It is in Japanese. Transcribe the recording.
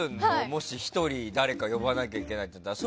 もし１人誰か呼ばなきゃいけなくなったら。